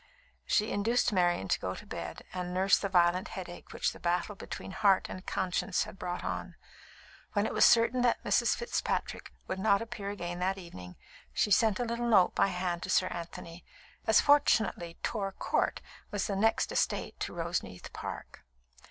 She induced Marian to go to bed and nurse the violent headache which the battle between heart and conscience had brought on. When it was certain that Mrs. Fitzpatrick would not appear again that evening, she sent a little note by hand to Sir Anthony, as fortunately Torr Count was the next estate to Roseneath Park.